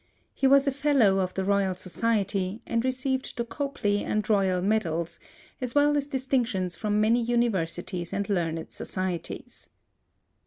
He was a Fellow of the Royal Society, and received the Copley and Royal medals, as well as distinctions from many universities and learned societies.